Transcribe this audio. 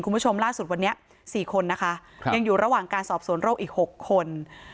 คุณผู้ชมล่าสุดวันนี้๔คนนะคะยังอยู่ระหว่างการสอบสวนโรคอีก๖คน